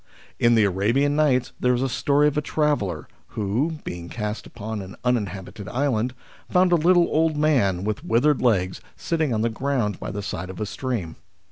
In the Arabian Nights there is a story of a traveller who, being cast upon an uninhabited island, found a little old man with withered legs sitting on the ground by the side of a stream.